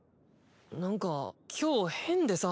なんか今日変でさ。